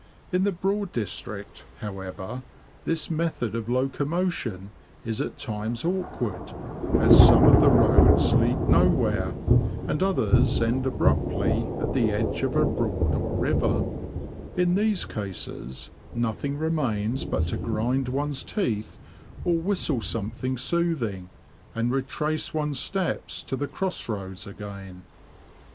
In the Broad District, however, this method of locomotion is at times awkward, as some of the roads lead '' nowhere," and others end abruptly at the edge of a Broad or river; in these cases, nothing remains but to grind one's teeth or whistle something soothing, and retrace one's steps to the cross roads again.